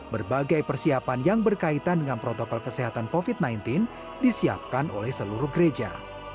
berbagai persiapan yang berkaitan dengan protokol kesehatan covid sembilan belas disiapkan oleh seluruh gereja